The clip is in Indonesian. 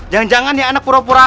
jangan jangan dia anak pura pura